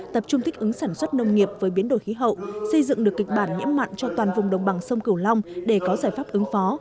tập trung thích ứng sản xuất nông nghiệp với biến đổi khí hậu xây dựng được kịch bản nhiễm mặn cho toàn vùng đồng bằng sông cửu long để có giải pháp ứng phó